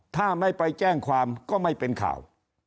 ถ้าไม่ไปแจ้งความก็ไม่เป็นข่าว